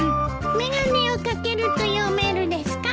眼鏡をかけると読めるですか？